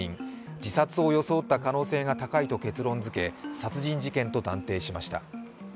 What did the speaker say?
自殺を装った可能性が高いと結論づけ殺人事件と断定しました。